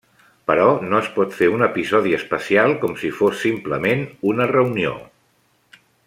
Però no es pot fer un episodi especial com si fos simplement una reunió.